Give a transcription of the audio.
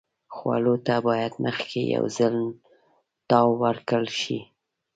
خوړو ته باید مخکې یو ځل تاو ورکړل شي.